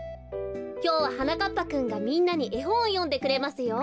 きょうははなかっぱくんがみんなにえほんをよんでくれますよ。